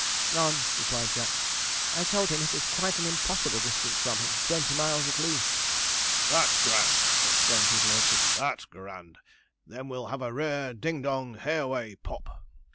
'None,' replied Jack. 'I told him it was quite an impossible distance from him, twenty miles at least.' 'That's grand!' exclaimed his lordship; 'that's grand! Then we'll have a rare, ding dong hey away pop.